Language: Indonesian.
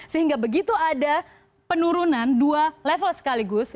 sehingga begitu ada penurunan dua level sekaligus